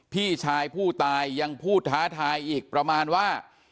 พี่ชายผู้ตายยังพูดท้าทายอีกประมาณว่า